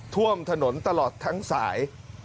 ท่วมถนนตลอดทั้งสาย